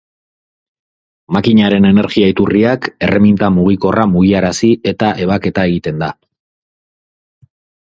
Makinaren energia-iturriak erreminta mugikorra mugiarazi eta ebaketa egiten da.